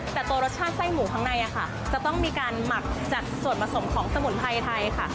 แต่ตัวรสชาติไส้หมูข้างในค่ะจะต้องมีการหมักจากส่วนผสมของสมุนไพรไทยค่ะ